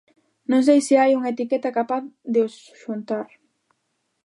Non sei se hai unha etiqueta capaz de os xuntar.